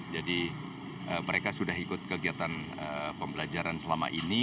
jadi mereka sudah ikut kegiatan pembelajaran selama ini